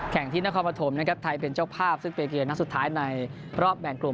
ที่นครปฐมนะครับไทยเป็นเจ้าภาพซึ่งเป็นเกมนัดสุดท้ายในรอบแบ่งกลุ่ม